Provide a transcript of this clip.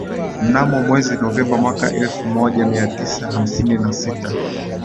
Mnamo mwezi Novemba mwaka elfu moja mia tisa hamsini na sita